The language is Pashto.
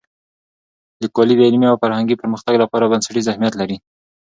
لیکوالی د علمي او فرهنګي پرمختګ لپاره بنسټیز اهمیت لري.